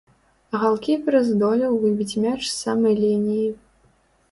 Галкіпер здолеў выбіць мяч з самай лініі.